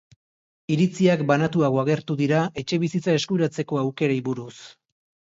Iritziak banatuago agertu dira etxebizitza eskuratzeko aukerei buruz.